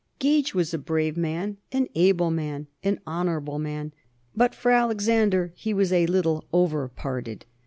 Gage was a brave man, an able man, an honorable man; but for Alexander he was a little over parted.